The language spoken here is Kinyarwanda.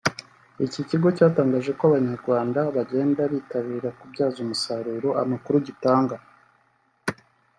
Iki kigo cyatangaje ko Abanyarwanda bagenda bitabira kubyaza umusaruro amakuru gitanga